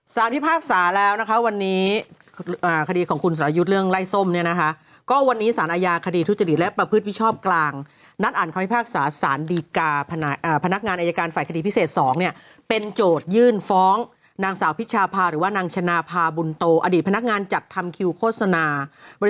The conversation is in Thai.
พิพากษาแล้วนะคะวันนี้คดีของคุณสรยุทธ์เรื่องไล่ส้มเนี่ยนะคะก็วันนี้สารอาญาคดีทุจริตและประพฤติมิชชอบกลางนัดอ่านคำพิพากษาสารดีกาพนักงานอายการฝ่ายคดีพิเศษ๒เนี่ยเป็นโจทยื่นฟ้องนางสาวพิชาพาหรือว่านางชนะพาบุญโตอดีตพนักงานจัดทำคิวโฆษณาบริ